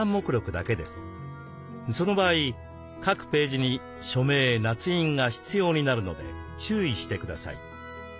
その場合各ページに署名なつ印が必要になるので注意してください。